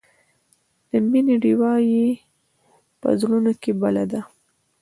د مینې ډیوه یې په زړونو کې بله ده.